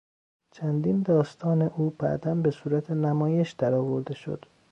چندین داستان او بعدا به صورت نمایش درآورده شد.